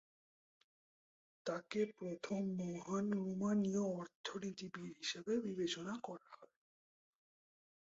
তাকে প্রথম মহান রুমানীয় অর্থনীতিবিদ হিসেবে বিবেচনা করা হয়।